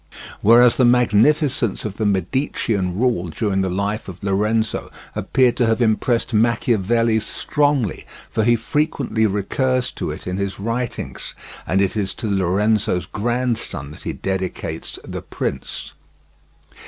Whereas the magnificence of the Medicean rule during the life of Lorenzo appeared to have impressed Machiavelli strongly, for he frequently recurs to it in his writings, and it is to Lorenzo's grandson that he dedicates The Prince.